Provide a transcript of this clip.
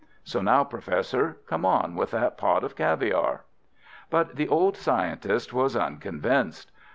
So now, Professor, come on with that pot of caviare!" But the old scientist was unconvinced.